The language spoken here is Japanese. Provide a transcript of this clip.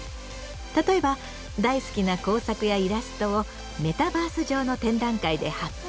例えば大好きな工作やイラストをメタバース上の展覧会で発表。